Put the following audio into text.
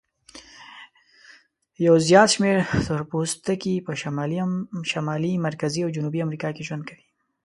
یو زیات شمیر تور پوستکي په شمالي، مرکزي او جنوبي امریکا کې ژوند کوي.